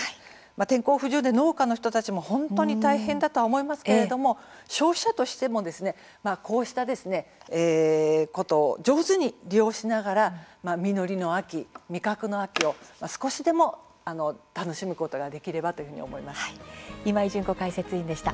天候不順で農家の人たちも本当に大変だとは思いますけれども消費者としてもこうしたことを上手に利用しながら実りの秋、味覚の秋を少しでも楽しむことができればという今井純子解説委員でした。